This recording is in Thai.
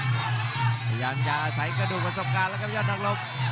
พยายามจะอาศัยกระดูกประสบการณ์แล้วครับยอดนักรบ